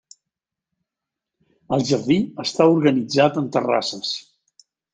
El jardí està organitzat en terrasses.